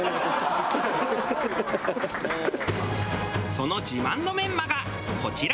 その自慢のメンマがこちら。